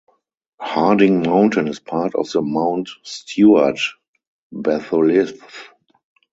Harding Mountain is part of the Mount Stuart batholith.